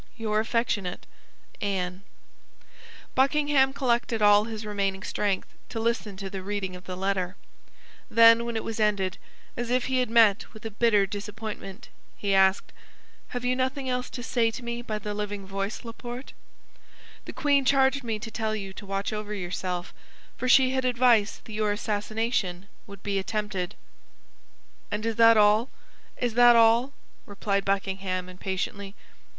"Your affectionate "ANNE" Buckingham collected all his remaining strength to listen to the reading of the letter; then, when it was ended, as if he had met with a bitter disappointment, he asked, "Have you nothing else to say to me by the living voice, Laporte?" "The queen charged me to tell you to watch over yourself, for she had advice that your assassination would be attempted." "And is that all—is that all?" replied Buckingham, impatiently.